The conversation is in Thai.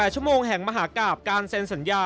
ชั่วโมงแห่งมหากราบการเซ็นสัญญา